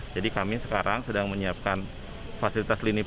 jadi kami sekarang sedang menyiapkan fasilitas lini produknya